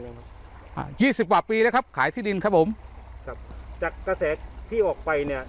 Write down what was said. อ่ายี่สิบกว่าปีแล้วครับขายที่ดินครับผมครับจากกระแสที่ออกไปเนี่ย